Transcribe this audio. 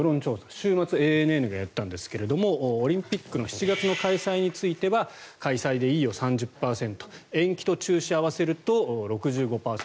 週末、ＡＮＮがやったんですがオリンピックの７月の開催については開催でいいが３０％延期と中止を合わせると６５％。